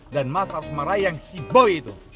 dan mas harus merayang si boy itu